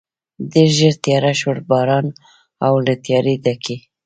ډېر ژر تېاره شول، باران او له تیارې ډکې.